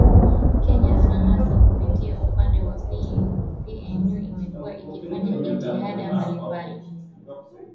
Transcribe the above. kenya na hasa kupitia upande wa pnu imekuwa ikifanya jitihada mbalimbali